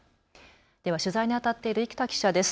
では取材にあたっている生田記者です。